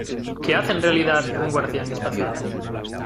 ¿ Qué hace en realidad un guardián espacial?